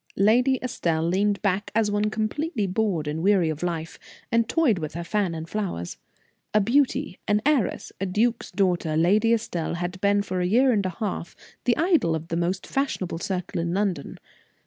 Lady Estelle leaned back as one completely bored and weary of life, and toyed with her fan and flowers. A beauty, an heiress, a duke's daughter, Lady Estelle had been for a year and a half the idol of the most fashionable circle in London.